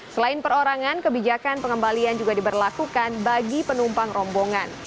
selain perorangan kebijakan pengembalian juga diberlakukan bagi penumpang rombongan